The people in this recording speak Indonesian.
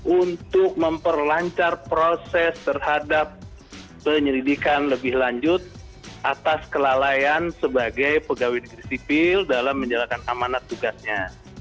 untuk memperlancar proses terhadap penyelidikan lebih lanjut atas kelalaian sebagai pegawai negeri sipil dalam menjalankan amanat tugasnya